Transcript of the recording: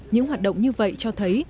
những hoạt động như vậy cho thấy